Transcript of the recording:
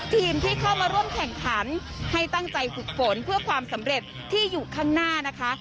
ทีมที่เข้ามาร่วมแข่งขันให้ตั้งใจฝึกฝนเพื่อความสำเร็จที่อยู่ข้างหน้านะคะ